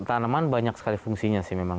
tanaman banyak sekali fungsinya sih memang